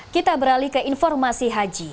kita beralih ke informasi haji